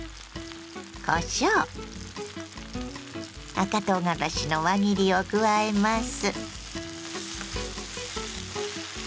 赤とうがらしの輪切りを加えます。